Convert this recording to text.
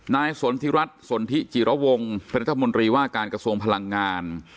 นายสนทิรัฐสนทิจิระวงเป็นรัฐมนตรีว่าการกระทรวงพลังงาน